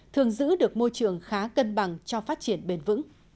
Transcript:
thường giữ được môi trường khá cân bằng cho phát triển bền vững